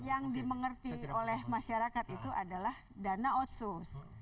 yang dimengerti oleh masyarakat itu adalah dana otsus